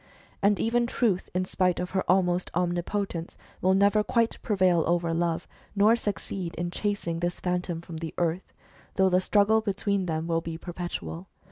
And even Truth, in spite of her almost omnipotence, will never quite prevail over Love, nor succeed in chasing this Phantom from the earth, though the struggle between them will be perpetual.